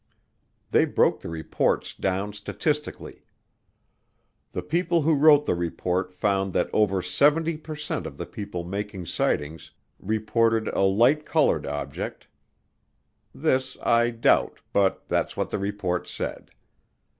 They broke the reports down statistically. The people who wrote the report found that over 70 per cent of the people making sightings reported a light colored object. (This I doubt, but that's what the report said.)